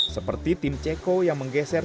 seperti tim ceko yang menggeser